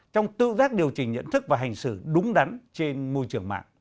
trong tự giác điều chỉnh nhận thức và hành xử đúng đắn trên môi trường mạng